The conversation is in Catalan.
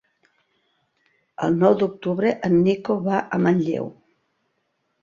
El nou d'octubre en Nico va a Manlleu.